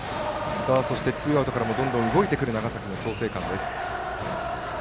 そしてツーアウトからもどんどん動いてくる創成館。